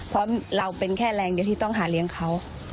เพราะเราเป็นแค่แรงเดียวที่ต้องหาเลี้ยงเขา